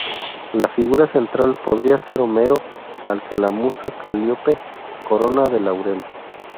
La figura central podría ser Homero, al que la musa Calíope corona de laurel.